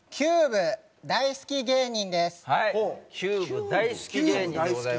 キューブ大好き芸人でございます。